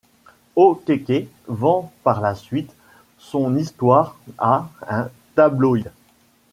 O’Keke vend par la suite son histoire à un tabloïd.